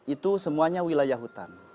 itu semuanya wilayah hutan